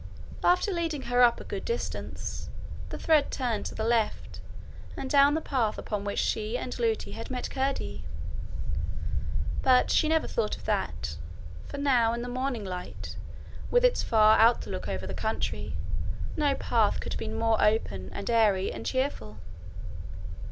After leading her up a good distance, the thread turned to the left, and down the path upon which she and Lootie had met Curdie. But she never thought of that, for now in the morning light, with its far outlook over the country, no path could have been more open and airy and cheerful.